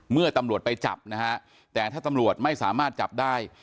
เมื่อตำรวจไปจับนะฮะแต่ถ้าตำรวจไม่สามารถจับได้